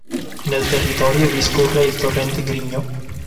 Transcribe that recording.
Nel territorio vi scorre il torrente Grigno.